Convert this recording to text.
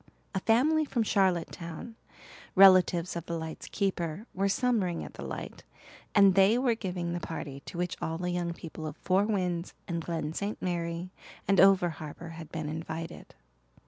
A family from Charlottetown, relatives of the light's keeper, were summering at the light, and they were giving the party to which all the young people of Four Winds and Glen St. Mary and over harbour had been invited.